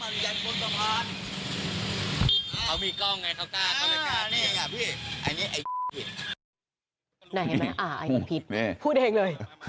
นายเห็นไหมอ้าวผิดพูดเองเลย